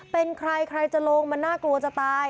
เป็นใครใครจะลงมันน่ากลัวจะตาย